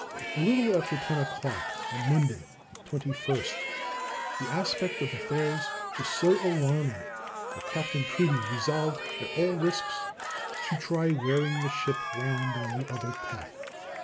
A little after ten o'clock on Monday, the 21st, the aspect of affairs was so alarming that Captain Preedy resolved at all risks to try wearing the ship round on the other tack.